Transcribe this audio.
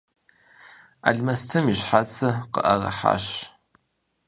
Алмэстым и щхьэцыр къыӀэрыхьащ.